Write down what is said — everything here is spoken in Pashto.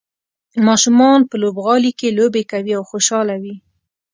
ماشومان په لوبغالي کې لوبې کوي او خوشحاله وي.